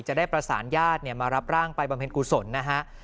จะได้ประสานญาติมารับร่างไปบำเพ็ญกุศลนะฮะ